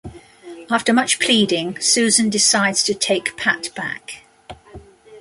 After much pleading, Susan decides to take Pat back.